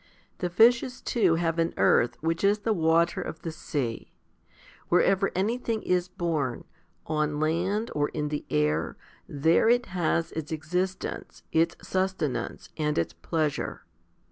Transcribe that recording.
The fishes too have an "earth," which is the water of the sea. Wherever anything is born, on land or in the air, there it has its existence, its susten ance, and its pleasure.